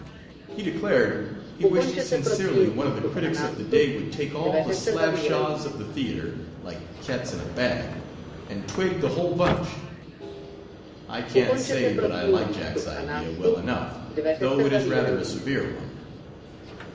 He declared, " he wished sincerely one of the critics of the day would take all the slab shahs of the theatre, (like cats in a bag,) and twig the whole bunch." I can't say but I like Jack's idea well enough, though it is rather a severe one.